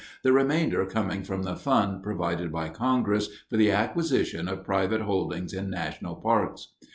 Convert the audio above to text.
the remainder coming from the fund provided by Congress for the acquisition of private holdings in national parks.